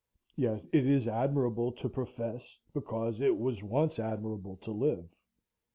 Yet it is admirable to profess because it was once admirable to live.